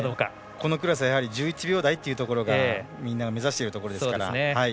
子のクラスは１１秒台というところがみんな目指しているところですから。